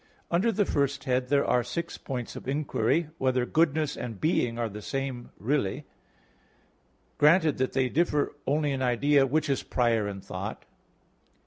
Under the first head there are six points of inquiry: (1) Whether goodness and being are the same really? (2) Granted that they differ only in idea, which is prior in thought?